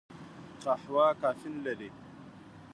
قهوه کافین لري